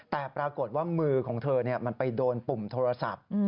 แต่ปรากฏว่ามือของเธอมันไปโดนปุ่มโทรศัพท์